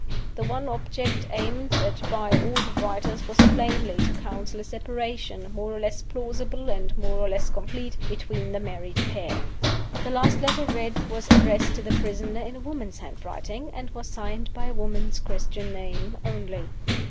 The one object aimed at by all the writers was plainly to counsel a separation, more or less plausible and more or less complete, between the married pair. The last letter read was addressed to the prisoner in a woman's handwriting, and was signed by a woman's Christian name only.